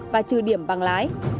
và trừ điểm bằng lái